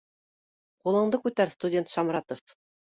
— Ҡулыңды күтәр, студент Шамратов